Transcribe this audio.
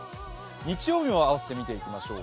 日曜日もあわせて見てみましょう。